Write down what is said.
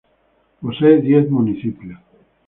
Posee diez municipios.